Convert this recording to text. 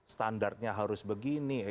standarnya harus begini